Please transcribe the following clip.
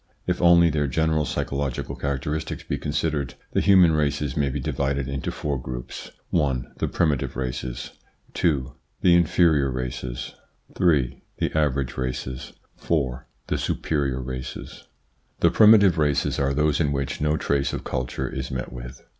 If only their general psychological characteristics be considered, the human races may be divided into four groups : (i) the primitive races ; (2) the inferior ITS INFLUENCE ON THEIR EVOLUTION 27 races ; (3) the average races ; (4) the superior races, The primitive races are those in which no trace of culture is met with.